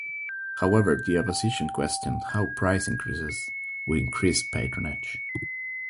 However the Opposition questioned how price increases would increase patronage.